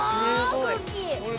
空気。